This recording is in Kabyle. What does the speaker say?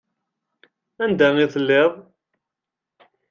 Anda i telliḍ?